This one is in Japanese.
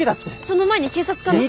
その前に警察かな？